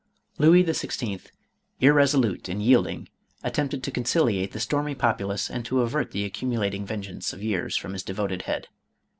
Louis XVI., irresolute and yielding, attempted to conciliate the stormy populace and to avert the accumu lating vengeance of years from his devoted head.